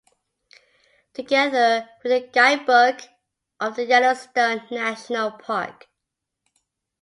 Together with a guide-book of the Yellowstone national park.